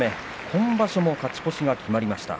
今場所も勝ち越しが決まりました。